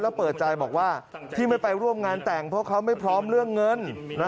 แล้วเปิดใจบอกว่าที่ไม่ไปร่วมงานแต่งเพราะเขาไม่พร้อมเรื่องเงิน